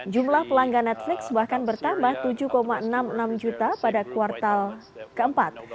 jumlah pelanggan netflix bahkan bertambah tujuh enam puluh enam juta pada kuartal keempat